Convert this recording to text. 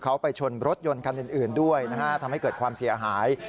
เขาไปชนรถยนต์คันอื่นด้วยนะฮะทำให้เกิดความเสียหาย